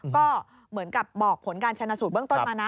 ก็เหมือนกับบอกผลการชนะสูตรเบื้องต้นมานะ